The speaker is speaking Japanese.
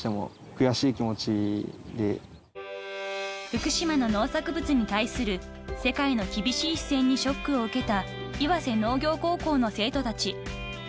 ［福島の農作物に対する世界の厳しい視線にショックを受けた岩瀬農業高校の生徒たち］